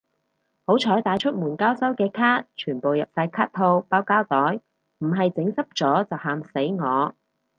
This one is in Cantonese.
好彩帶出門交收嘅卡全部入晒卡套包膠袋，唔係整濕咗就喊死我